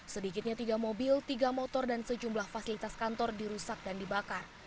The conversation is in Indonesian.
sedikitnya tiga mobil tiga motor dan sejumlah fasilitas kantor dirusak dan dibakar